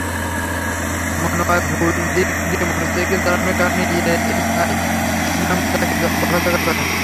মনোয়ার ভুল দিক দিয়ে মোটরসাইকেল চালানোর কারণে এএসআই ইসলাম তাঁকে বকাঝকা করেন।